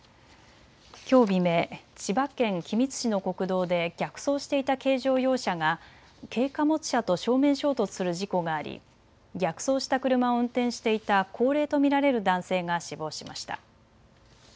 きょう未明、千葉県君津市の国道で逆走していた軽乗用車が軽貨物車と正面衝突する事故があり逆走した車を運転していた高齢と見られる男性が死亡しました。